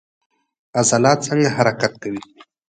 عضلات څنګه حرکت کوي؟